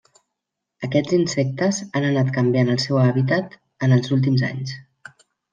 Aquests insectes han anat canviant el seu hàbitat en els últims anys.